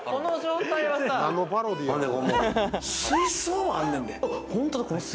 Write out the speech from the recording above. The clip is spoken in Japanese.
水槽もあんねんで。